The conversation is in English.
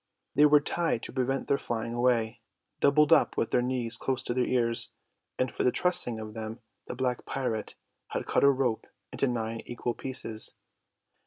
They were tied to prevent their flying away, doubled up with their knees close to their ears; and for the trussing of them the black pirate had cut a rope into nine equal pieces.